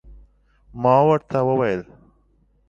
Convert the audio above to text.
ما ورته وویل